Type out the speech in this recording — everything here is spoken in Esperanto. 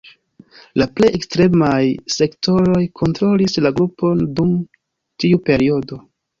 La plej ekstremaj sektoroj kontrolis la grupon dum tiu periodo.